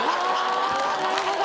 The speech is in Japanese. あなるほど。